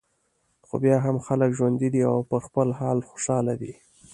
خو بیا هم خلک ژوندي دي او پر خپل حال خوشاله دي.